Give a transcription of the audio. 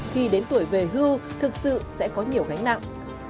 khi đến tuổi về hưu thực sự sẽ có nhiều gánh nặng